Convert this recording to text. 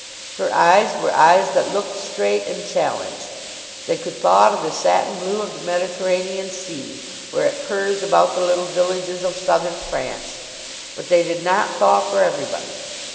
Her eyes were eyes that looked straight and challenged. They could thaw to the satin blue of the Mediterranean Sea, where it purrs about the little villages of Southern France; but they did not thaw for everybody.